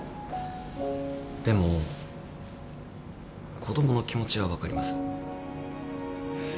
でも子供の気持ちは分かります。